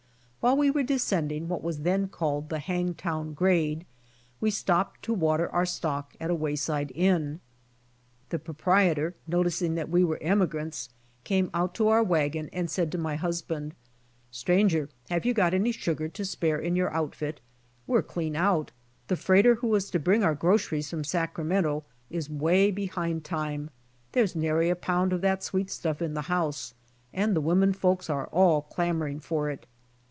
While we were descending what was then called the Hangtown grade, we stopped to water our stock 132 BY ox TEAM TO CALIFORNIA at a wayside inn. The proprietor noticing that we were emigrants came out to our wagon and said to my husband, ''Stranger, have you got any sugar to spare in your outfit? We're clean out. The freighter who was to bring our groceries from Sacramento is way behind time. There's nary a pound of that sweet stuff in the house, and the women folks are all clamoring for it."